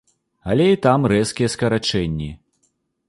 Але і там рэзкія скарачэнні.